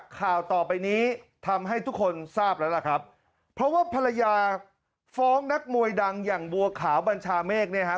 ข่าวต่อไปนี้ทำให้ทุกคนทราบแล้วล่ะครับเพราะว่าภรรยาฟ้องนักมวยดังอย่างบัวขาวบัญชาเมฆเนี่ยฮะ